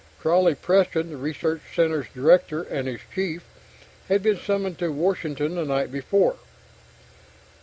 Crawley Preston, the research center's director and his chief, had been summoned to Washington the night before.